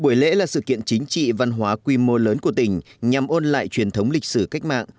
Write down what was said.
buổi lễ là sự kiện chính trị văn hóa quy mô lớn của tỉnh nhằm ôn lại truyền thống lịch sử cách mạng